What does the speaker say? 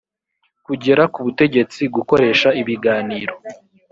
kugera ku butegetsi gukoresha ibiganiro